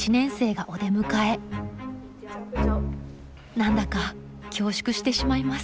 何だか恐縮してしまいます。